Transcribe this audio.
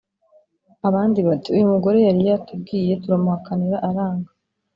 Abandi bati: "Uyu mugore yari yatubwiye, turamuhakanira aranga